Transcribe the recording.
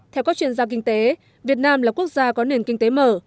theo các chuyên gia kinh tế việt nam là quốc gia có nền kinh tế mở